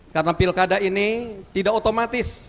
karena pilkada ini tidak otomatis